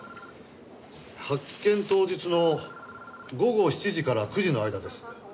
発見当日の午後７時から９時の間です。